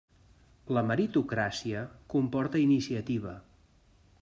La meritocràcia comporta iniciativa.